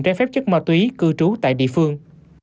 trái phép chất ma túy cư trú tại địa phương